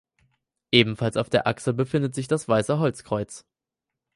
Ebenfalls auf der Achse befindet sich das weiße Holzkreuz.